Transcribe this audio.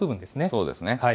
そうですね。